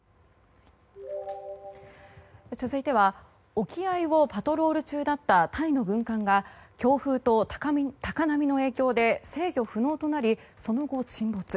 続いては沖合をパトロール中だったタイの軍艦が強風と高波の影響で制御不能となり、その後沈没。